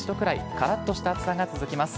からっとした暑さが続きます。